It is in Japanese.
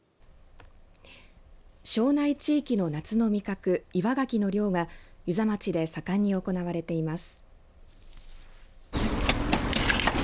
庄内地域の夏の味覚岩がきの漁が遊佐町で盛んに行われています。